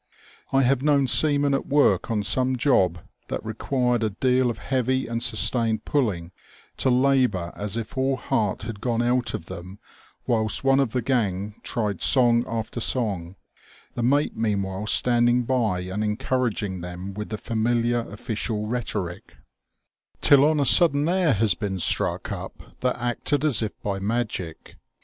I have known seamen at work on some job that required a deal of heavy and sustained pulling, to labour as if all heart had gone out of them whilst one of the gang tried song after song ; the mate meanwhile standing by and encouraging them with the familiar TEE OLD NAVAL SEA SONG. 229 official rhetoric ; till on a sudden an air has been struck up that acted as if by magic.